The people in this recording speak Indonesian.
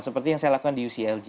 seperti yang saya lakukan di uclg